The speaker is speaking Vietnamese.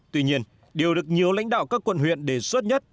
tuy nhiên điều được nhiều lãnh đạo các quận huyện đề xuất nhất